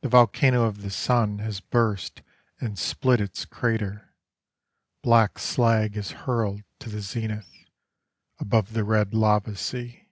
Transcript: The volcano of the sun Has burst and split its crater: Black slag is hurled to the zenith Above the red lava sea.